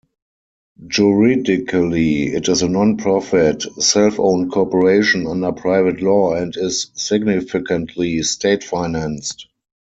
Juridically it is a nonprofit self-owned corporation under private law and is significantly state-financed.